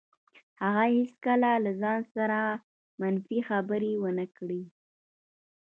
هغه هېڅکله له ځان سره منفي خبرې ونه کړې.